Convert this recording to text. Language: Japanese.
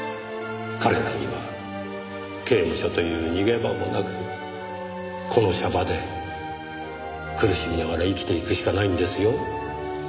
彼らには刑務所という逃げ場もなくこの娑婆で苦しみながら生きていくしかないんですよ。